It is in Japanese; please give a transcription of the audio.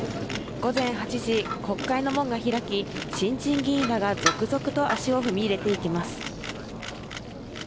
午前８時、国会の門が開き、新人議員らが続々と足を踏み入れていきます。